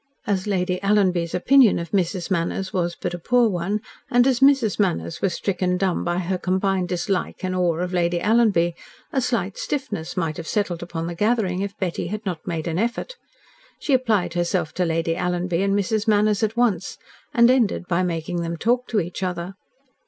As Lady Alanby's opinion of Mrs. Manners was but a poor one, and as Mrs. Manners was stricken dumb by her combined dislike and awe of Lady Alanby, a slight stiffness might have settled upon the gathering if Betty had not made an effort. She applied herself to Lady Alanby and Mrs. Manners at once, and ended by making them talk to each other.